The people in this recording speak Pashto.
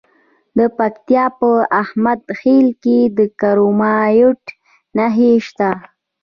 د پکتیا په احمد خیل کې د کرومایټ نښې شته.